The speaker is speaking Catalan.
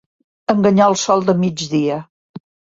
Enganyar el sol de migdia.